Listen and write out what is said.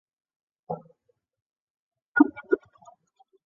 其附属公司包括九龙仓集团以及会德丰地产。